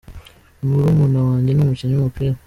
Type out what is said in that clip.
Murumuna wajye ni umukinnyi w'umupira.